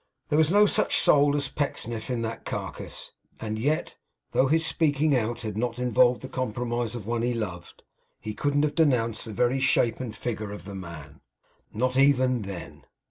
There was no such soul as Pecksniff's in that carcase; and yet, though his speaking out had not involved the compromise of one he loved, he couldn't have denounced the very shape and figure of the man. Not even then.